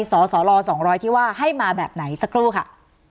สสล๒๐๐ที่ว่าให้มาแบบไหนสักครู่ค่ะ